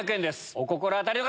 お心当たりの方！